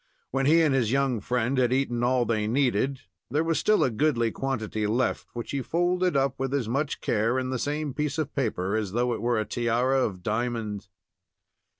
When he and his young friend had eaten all they needed, there was still a goodly quantity left, which he folded up with as much care in the same piece of paper as though it were a tiara of diamonds.